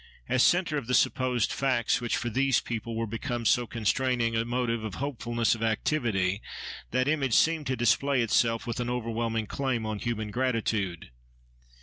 * As centre of the supposed facts which for these people were become so constraining a motive of hopefulness, of activity, that image seemed to display itself with an overwhelming claim on human gratitude.